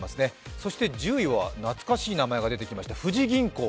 そして１０位は、懐かしい名前が出てきました、富士銀行。